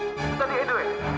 itu tadi edo ya